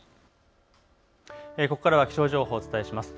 ここからは気象情報をお伝えします。